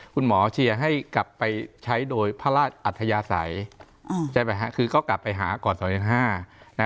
คุณหมอเชียร์ให้กลับไปใช้โดยพระราชอัธยาศัยคือก็กลับไปหาก่อน๒๑๕